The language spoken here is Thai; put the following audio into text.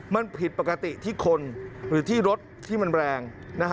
มันผิดปกติที่คนหรือที่รถที่มันแรง